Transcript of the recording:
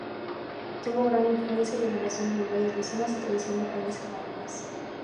Tuvo gran influencia y veneración en los valles vecinos y tradición de apariciones marianas.